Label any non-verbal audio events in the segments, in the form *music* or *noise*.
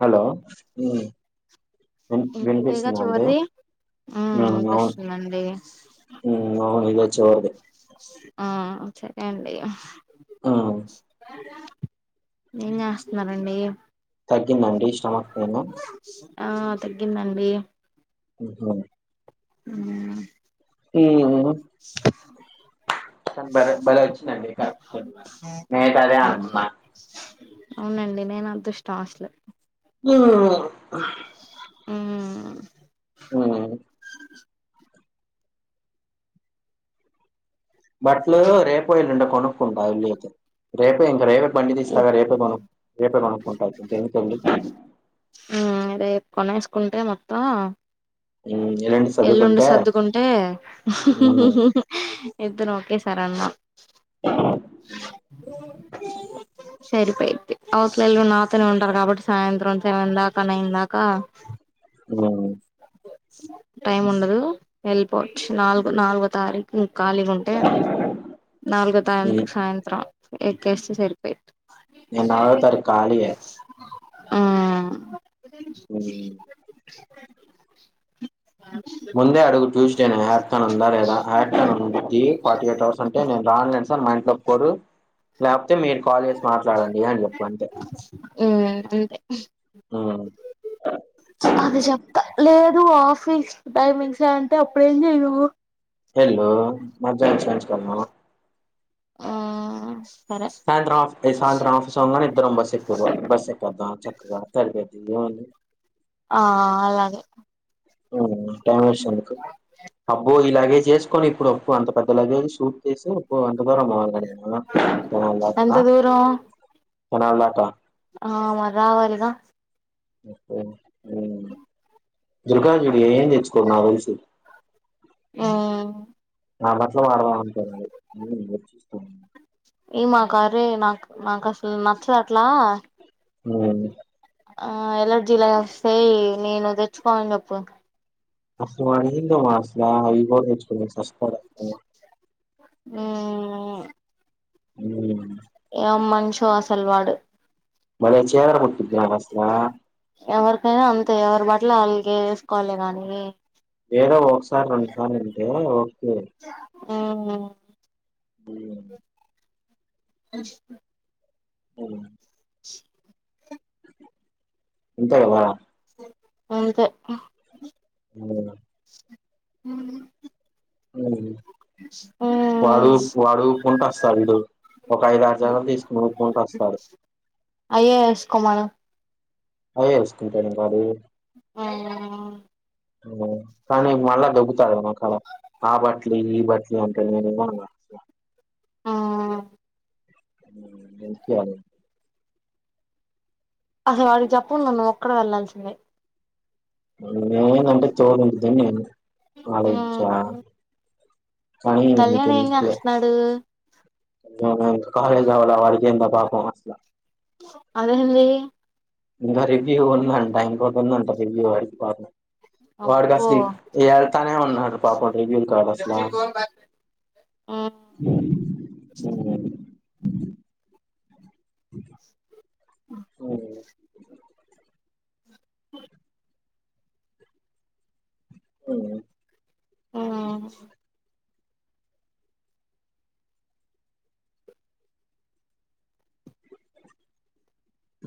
Hello విన్ ఇంకిదేగా వినిపిస్తుందా అండి చివరిది ఊ ఉమ్ అవును ఇనిపిస్తందండి ఓకే ఆ సరే అండి అ ఉమ్ ఏం జేస్తనారండి తగ్గిందండి స్టమక్ పైను తగ్గిందడి ఊహ ఊ ఏందో చ బ బలే వచ్చిందండి కరెక్ నేతే అదే అవును అనుకున్నాను అవునండి నేను అదృష్టం అసలు ఓ ఊ ఉ బట్లు రేపో ఎల్లుండో కొనుక్కుంటా ఎల్లి అయితే రపే ఇంక రే బండి తీస్తాగా రేపేను రేపే కొనుక్కుంట అయితే ఇంకెందుకండి త ఉమ్ ఎల్లుండి సర్దుకుంటే సర్దుకుంటే ఉమ్ ఇద్దరం ఒకేసారి ఎల్దాం సరిపోయిద్ధి అవుతల్లు నాతోనే ఉంటారు కాబట్టి సాయంత్రం సెవెన్ దాకా నైన్ దాకా ఓ టైమ్ ఉండదు యెళ్ళిపోవచ్చు నాలుగు నాలుగో తారీ ఖాళీగుంటే నాలుగో తాయంటు సాయంత్రం ఎక్కేస్తే సరి పెయిట్ నేనాలుగో తారీకాలియే ఆ ఉ *inaudible* ముందే అడుగు ట్యూస్డేనే హయాప్న్ ఉందా లేదా యాన్ ఉది ఫార్టీ ఎయిట్ అవర్స్ అంటే నేను రాన్ను సార్ మా ఇంట్లో బరు లేక అయితే మీరు కాల్ చేసి మాట్లాడండి అని చెప్పు అంతే ఉమ్ అంతే నువ్వు ఆఫీస్ టైమింగ్స్ ఏ అంటే అప్పుడేం చేయు హలో మ్జాచ్చ తన్ను ఆ సరే సాయంత్రం ఆఫీ సాంత్రం ఆఫీస్ అవ్వంగనే ఇద్దరం బస్సెక్కి బస్ ఎక్కద్దా చక్కగా తె *unintelligible* ఆ అలాగే ఓ అబ్బో ఇలా అవి జేసుకొని ఇప్పుడు అప్పు అంత పెద్ద లగేజ్ షూట్ చేసి ఉప్పు అంత దరం అవాలిడి పొలం దాకా ఎంత దూరం తెనాలి దాకా ఆ మరి రావాలిగ శబ్దం అ దుర్గాజుడి ఏం తెచ్చుకోవు నాకుతెలుసు ఆ నాకు నచ్చనివి వాడుదాం అనుకుంటి ఏ మా కారే నాకు నాకు అసలు నచ్చదు అట్లా మ్మ్ ఆ ఎలర్జి లా వస్తే నేను తెచ్చుకోనని చెప్పు అస్లా ఆమేందామే అసలా ఈగో పెంచుకుని చస్ మ్మ్ ఉ ఏమ్ మనిషో అసలు వాడు మరే చేరాక్ ఎవరికైనా అంతే ఎవ అ బట్ల అలగే వేసుకోవాలి గానీ ఏదో ఒకసారి రెండు సార్లు అంటే ఓకే ఆ ఉమ్ అ అవునా ఉ ఇంత లేవా అంతే వాడు వాడుపుకుంట వస్తాండు ఒక ఐదు ఆరు జతలు తీసుకుని ఊపుకుంట వస్తాడు అయ్యేస్ కోమను అవే వేసుకుంటాడా మరి ఆ కానీ మళ్ళా దగ్గుతాడేమో కాబట్ ఈ బట్లంటే అస్లా ఆ ఎందుకియ్యాలి అహా అది చెప్పమన్నారు అక్కడ వెళ్లాల్సిందే నే ఉంటే తోడు ఉంటదని నేను ఆలోచించా కానీ కళ్యాణ్ ఏమ్ ఇంకెందుకులే చేస్తున్నాడు *unintelligible* కాలేజ్ అవ్వలే వాడికింక బా హస్ట్లా అదేంది ఇంక రివ్యూ వుందంట ఇంకోటుందంట రివ్యూ అయిపో అబ్బో వాడికసలీ ఎల్తానే ఉన్నాడు పాపమ రీవ్వూ కాదసలే అకా మ్మ్ పో ఓ ఆ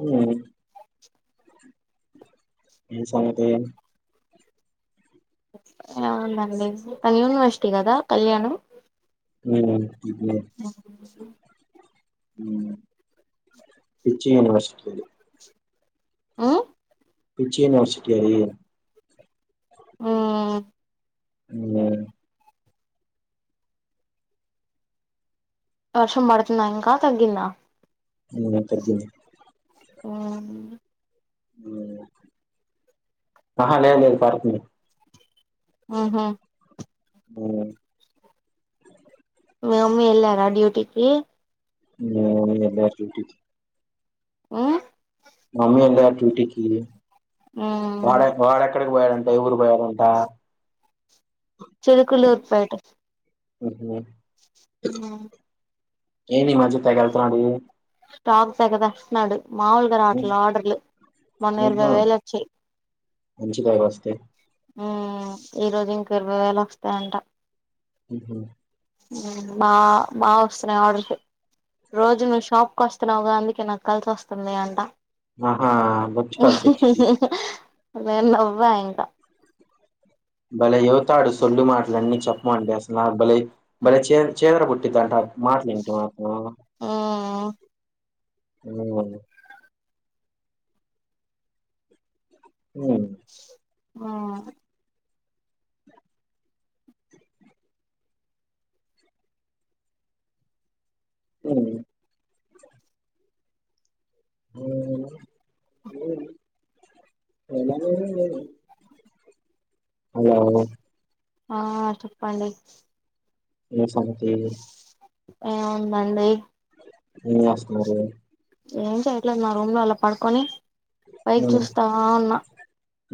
ఉమ్ ఏం సంగతే అవునండి అ యూనివర్సిటీ కదా కళ్యాణం ఓహో అ చెపు మ్మ్ పిచ్చి యూనివర్సిటీలు ఆ పిచ్చి యూనివర్సిటీ అది ఆ అ వర్షం పడుతుంద ఇంకా తగ్గిందా అ తగ్గింది ఆ న్న ఆ అహా లే లేదు పార్కు పోయిన ఆహా బ్బో మీ మమ్మీ ఎళ్లారా డ్యూటీకి మీ అమ్మ వెళ్లారు డ్యూటీకీ మా అమ్మ వెళ్లారు డ్యూటీకి వాడ వాడెక్కడికి పోయాడం దైఊరు పోయారంతా చిలుకులూర్ పేట వస్తున్నా అన్నా ఏం ఈ మజ్య తెగఎల్తనాడి స్టాక్ తెగజేస్తునాడు మాములుగా ఉ రావట్ల ఆర్డర్లు మొన్న ఇరవై వేలు వచ్చాయ్ మంచిగా వస్తే హ ఈ రోజు ఇంక ఇరవై వేలు వస్తాయంట ఉహ మా మా వస్తున్నాయి ఆర్డర్స్ రోజును షాప్ కొస్తనవ్ గా అందికే నాక్కాల్స్ వస్తున్నయ్ అంట ఆహా బొచ్చు కాల్స్ వచ్చిద్ది అదే నవ్వయింకా భలే ఎవుతాడు సొల్లు మాటలు అన్నీ చెప్పమంటే అస్సల భలే భలే చీద చీదర పుట్టిద్దంటా మాటలింటే మాత్రం, ఆ విన్నింగ్ అవును హ ఆ అ *unintelligible* ఆ ఆ చెప్పండి ఏ సంత ఇది ఏముందండీ ఏం చేస్తున్నారు ఏం చేయట్లేదు మా రూమ్ లో అలా పడుకొని పైక్ ఉమ్ చూస్తా ఉన్నా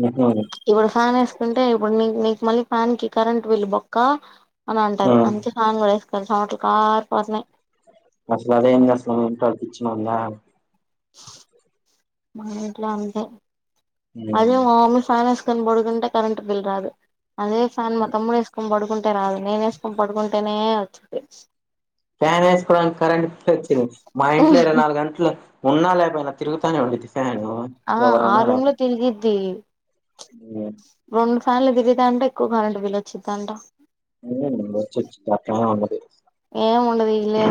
ఉహు ఇప్పుడు ప్యాన్ వేసుకుంటే ఇప్పుడు నీ న మళ్ళీ ఫ్యాన్ కి కరెంట్ బిల్లు బొక్క అని అంటారు ఉమ్ అందుకే ప్యాన్ కూడా వేస్ ఇక్కడ చెమట్లు కారిపోతున్నాయి అసలు అదేం చేస్తది మ్మ్ ఇంట్లో ఉంది ఉమ్ అదే మాములుగా ఫ్యాన్ వేసుకొని పడుకుంటే కరెంట్ బిల్ రాదు అదే ఈ ఫ్యాన్ మా తమ్ముడు వేసుకొని పడుకుం అంటే రాదు నేనేసుకోని పడుకుంటేనే వచ్చిద్ది ఫ్యాన్ వేసుకోవడానికి కరెంట్ వచ్చింది మా ఇంట్లో ఇరవై నాలుగు గంటలు ఉన్నా, లేకున్నా తిరుగుతానే ఉండిద్ది ఫ్యాన్ ఆ ఆ రూమ్ లో తిరిగిద్ది హ్మ్మ్ రెండు ఫ్యాన్లు తిరుగుతాంటే ఎక్కువ కరెంటు బిల్ వచ్చిద్దంట మ్మ్ వచ్చి ఇచ్చుద్దా ఫ్యాను ఏం ఉండదు ఇ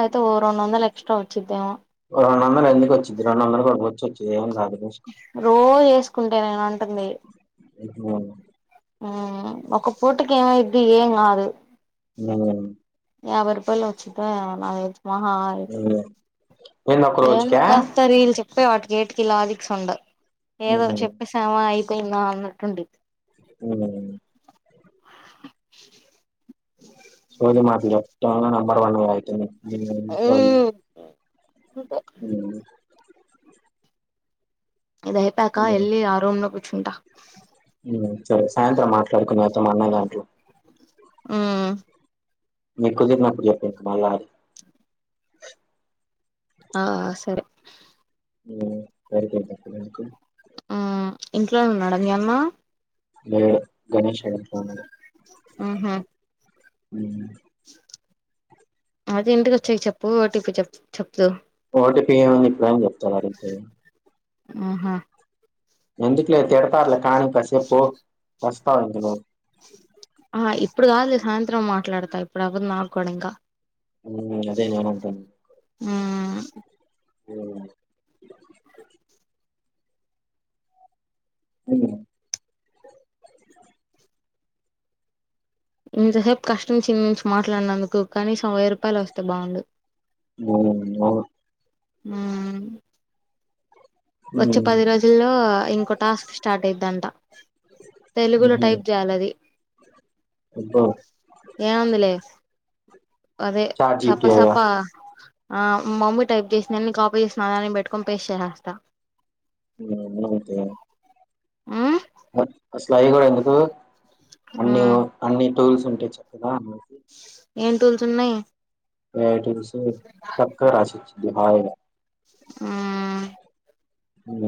ఆయితే ఓ రెండొందలు ఎక్స్ట్రా వచ్చిద్దేమో ఓ రెండు వందలు ఎందుకి వచ్చిది రెండు వందలు కూడా బొచ్చు వచ్చేది ఏం రాదు రోజు ఏసు కుంటేదైనా అంటుంది మ్మ్ హ్మ్ ఒక పూట కేమైద్ది ఏం కాదు యాభై రూపాయలు వచ్చిందా మహా అయితే ఏంది ఒక్క ఏమి రోజుకా కాస్తారో వీళ్ళు చెప్పే వాటి గేట్ కి లాజిక్స్ ఉండవు ఏదో ఉమ్ చెప్పేసామ అయి తిన్న అన్నట్టు ఉండిద్ది హ్మ్ లెఫ్ట్ ఆన్ నంబర్ అయితేనె మ్మ్ సారీ ఇంకా ఇది ఐపాయాక ఎళ్లి ఆ రూమ్ లోకు ఉంటా మ్మ్ సరే సాయంత్రం మాట్లాడుకున్నేతో మా అన్నయ్య దాంట్లో మ్మ్ మీకుదిరినప్పుడు చెప్పే మల్ల ఆ సరే మ్మ్ సరిపోయిద్ద అప్పటివరకు ఆ ఇంట్లోనే ఉన్నాడా మీ అన్న లేడు గణేష్ వాళ్ల ఇంట్లో ఉన్నాడు మ్మ్ ఐతే ఇంటికోచ్చాక చెప్పు ఓ టి పి చెప్ చెబుతూవ్ ఓ టి పి ఏముంది ఇప్పుడైనా చెప్తాడు అడిగితే ఆహా ఎందుకులే తిడతార్లే కానీ కసే పో వస్తా అందులో ఆ ఇప్పుడు కాదులే సాయంత్రం మాట్లాడతా ఇప్పుడు అవదు నాకూడా ఇంకా మ్మ్ అదే నేనంటన్నా మ్ మ్మ్ హ్మ్ ఇంతసేపు కష్టం చిందించి మాట్లాడినందుకు కనీసం వెయ్యి రూపాయలు వస్తే బాగుండు ఉమ్, అవును. మ్మ్ వచ్చే ఉమ్, పది రోజుల్లో ఇంకో టాస్క్ స్టార్ట్ అయిదంట తెలుగులో ఉహు. టైప్ చేయాలది అబ్బో, ఏముందిలే అదే చాట్ జీపీటీ సపా కదా సపా ఆ మమ్మీ టైప్ చేసి నేను కాపీ చేసి మల్ల పెట్టుకుని పేస్ట్ చేసేస్తా మూడొందలన్నా వత్తయ అసలు అయి గూడా ఎందుకు అన్ని మ్మ్ వో అన్ని టూల్స్ ఉంటాయ్ చక్కగాను ఏం టూల్స్ ఉన్నాయ్ ఎ టూల్స్ సక్కగా రాశి ఇచి అట్లా కాదిగా హ్మ్ హ్మ్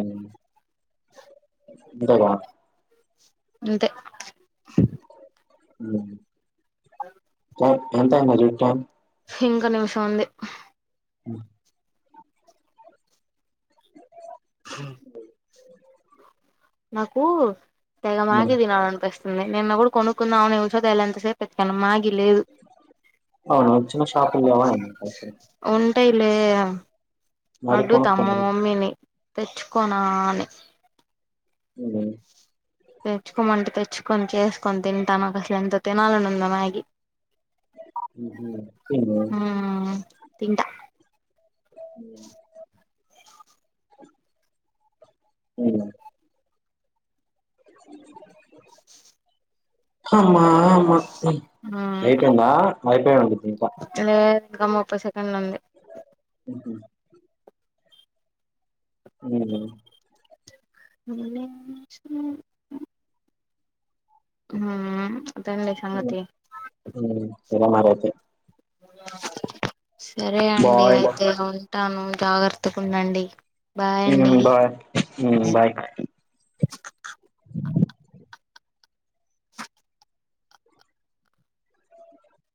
అంతే గా అంతే హ్మ్ ఎంతా అయిందో చూడు టైమ్ ఇంకా నిమిషం ఉంది హ్మ్ నాకు తెగ మాగీ ఉమ్. తినాలి అనిపిస్తుంది నిన్న కూడా కొనుక్కుందాం అను *unintelligible* చూడు ఎంతసేపు వెతికాను మాగి అవునా వచిన్న షాపు లో లేవ ఉంటాయి లే అడుగుత మా కొనుక్కోండి మమ్మీని తెచ్చుకోనా అని హ్మ్ తెచ్చుకోమంటే తెచ్చుకొని చేసుకొని తింటాను నాకు అసలు ఎంత తినాలని ఉందో మాగి ఉహు తిను హ్మ్ తింటా హ్మ్ అమ్మా అమ్మ అయిపెయింద అయిపెయింది లే ఇంకా ముప్పై సెకండ్ ఉంది హ్మ్ అవునా అ ఆ హ్మ్ *unintelligible* మరయితే సరే అండి బాయ్ అయితే ఉంటాను జాగర్తగ ఉండండి బాయ్ హ్మ్ అండి బాయ్ హ్మ్ బాయ్ ఆ